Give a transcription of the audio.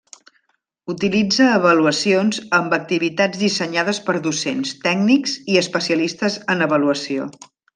Utilitza avaluacions amb activitats dissenyades per docents, tècnics i especialistes en avaluació.